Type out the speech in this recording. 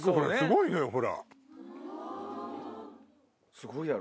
すごいやろ？